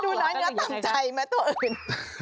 ดูน้อยเนื้อตามใจไหมตัวอื่น